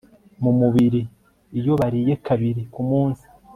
mu mubiri iyo bariye kabiri ku munsi